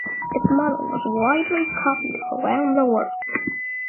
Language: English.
Its model was widely copied around the world.